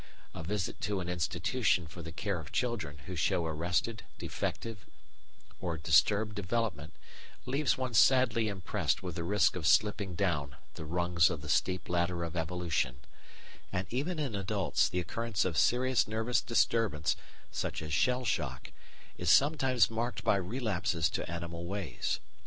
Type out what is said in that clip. A visit to an institution for the care of children who show arrested, defective, or disturbed development leaves one sadly impressed with the risk of slipping down the rungs of the steep ladder of evolution; and even in adults the occurrence of serious nervous disturbance, such as "shell shock," is sometimes marked by relapses to animal ways.